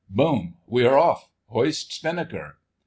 Boom! We are off! Hoist spinnaker!